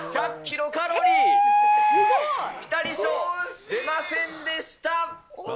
すごい。ピタリ賞出ませんでした。